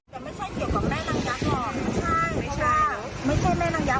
เขาแต่ติ้งเชื่อก็ลักษมณะเพราะว่าเค้าพี่เลน่ล่ะเอาตามล่ะจิ้มแต่ขายของค่อยติ้งเงียบ